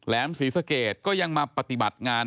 แหลมศรีสเกตก็ยังมาปฏิบัติงาน